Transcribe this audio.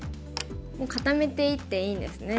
もう固めていっていいんですね。